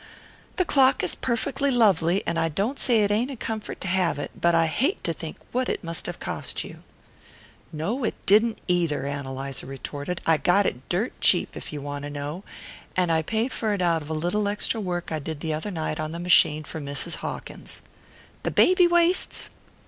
"The clock is perfectly lovely and I don't say it ain't a comfort to have it; but I hate to think what it must have cost you." "No, it didn't, neither," Ann Eliza retorted. "I got it dirt cheap, if you want to know. And I paid for it out of a little extra work I did the other night on the machine for Mrs. Hawkins." "The baby waists?"